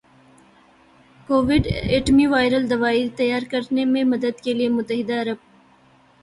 Covid antiviral دوائی تیار کرنے میں مدد کے لئے متحدہ عرب